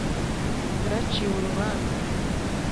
Zaciwe urubanza